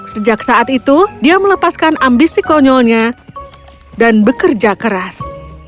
sejak saat itu dia melepaskan ambisi konyolnya dan bekerja keras